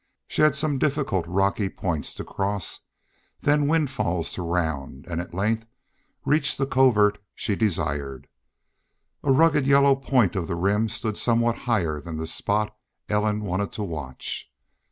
She had some difficult rocky points to cross, then windfalls to round, and at length reached the covert she desired. A rugged yellow point of the Rim stood somewhat higher than the spot Ellen wanted to watch.